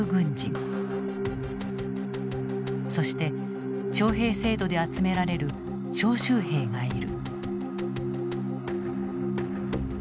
そして徴兵制度で集められる徴集兵がいる。